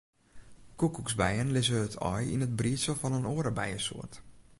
Koekoeksbijen lizze it aai yn it briedsel fan in oare bijesoart.